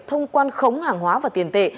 thông quan khống hàng hóa và tiền tệ